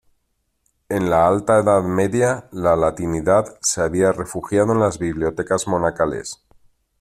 En la Alta Edad Media la latinidad se había refugiado en la bibliotecas monacales.